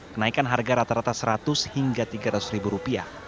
kenaikan harga rata rata rp seratus hingga rp tiga ratus ribu rupiah